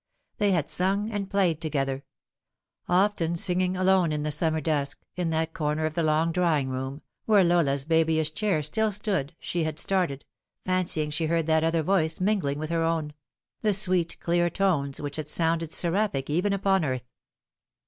They had sung and played together. Often singing alone in the summer dusk, in that corner of the long drawing room, where Lola's babyish chair still stood, she had started, fancying she heard that other voice mingling with her own the sweet clear tones which had sounded Beraphic even upon earth.